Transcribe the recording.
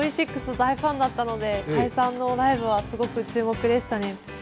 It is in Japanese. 大ファンだったので解散のライブはすごく注目でしたね。